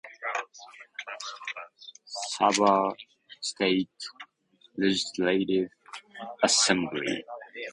Sabah State Legislative Assembly